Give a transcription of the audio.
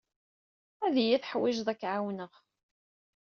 Ad iyi-teḥwijeḍ ad k-ɛawneɣ.